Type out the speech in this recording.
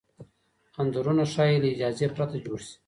انځورونه ښايي له اجازې پرته جوړ شي.